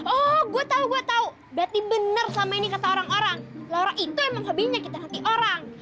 oh gue tau gue tau berarti bener sama ini kata orang orang laura itu emang hobinya nyakitan hati orang